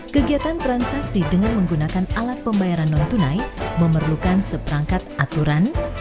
kegiatan transaksi dengan menggunakan alat pembayaran non tunai memerlukan seperangkat aturan